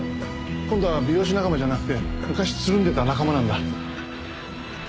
今度は美容師仲間じゃなくて昔つるんでた仲間なんだ。